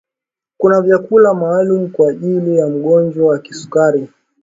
kuna vyakula maalumu kwa ajili ya mgonjwa wa kisukari